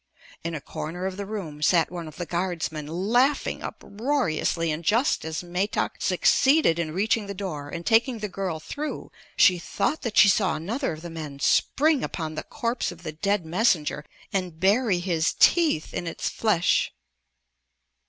In a corner of the room sat one of the guardsmen laughing uproariously and just as Metak succeeded in reaching the door and taking the girl through, she thought that she saw another of the men spring upon the corpse of the dead messenger and bury his teeth in its flesh.